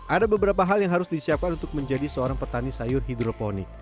ada beberapa hal yang harus disiapkan untuk menjadi seorang petani sayur hidroponik